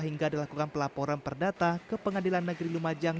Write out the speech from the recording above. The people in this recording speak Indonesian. hingga dilakukan pelaporan perdata ke pengadilan negeri lumajang